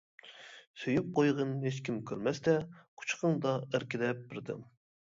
سۆيۈپ قويغىن ھېچكىم كۆرمەستە، قۇچىقىڭدا ئەركىلەپ بىردەم.